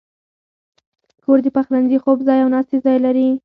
کور د پخلنځي، خوب ځای، او ناستې ځای لري.